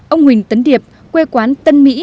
ông huỳnh tấn điệp quê quán tân mỹ